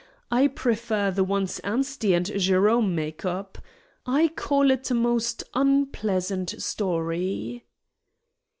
I prefer the ones Anstey and Jerome make up. I call it a most unpleasant story."